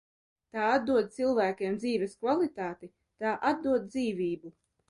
Tā atdod cilvēkam dzīves kvalitāti, tā atdod dzīvību.